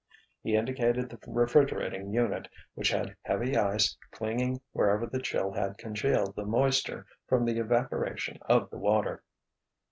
He indicated the refrigerating unit which had heavy ice clinging wherever the chill had congealed the moisture from the evaporation of the water.